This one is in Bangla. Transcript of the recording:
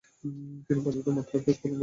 তিনি পর্যাপ্ত মাত্রায় পেস বোলিং করতেন।